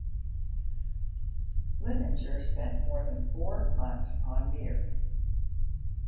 Linenger spent more than four months on Mir.